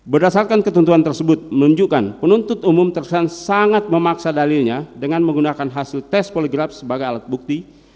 berdasarkan ketentuan tersebut menunjukkan penuntut umum terkesan sangat memaksa dalilnya dengan menggunakan hasil tes poligraf sebagai alat bukti